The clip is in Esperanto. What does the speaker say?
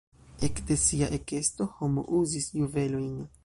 Ekde sia ekesto homo uzis juvelojn.